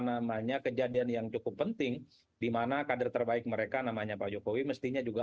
namanya kejadian yang cukup penting dimana kader terbaik mereka namanya pak jokowi mestinya juga